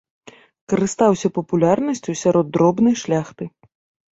Карыстаўся папулярнасцю сярод дробнай шляхты.